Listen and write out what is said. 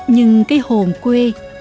nhưng cây hồn quê